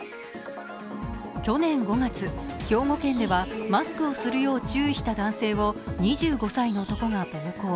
去年５月、兵庫県ではマスクをするよう注意した男性を２５歳の男が暴行。